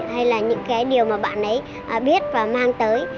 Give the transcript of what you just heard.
hay là những cái điều mà bạn ấy biết và mang tới